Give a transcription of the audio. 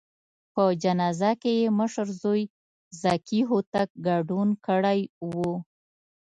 په جنازه کې یې مشر زوی ذکي هوتک ګډون کړی و.